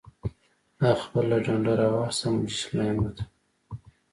هغه خپله ډنډه راواخیسته او مجسمه یې ماته کړه.